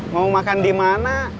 mau makan dimana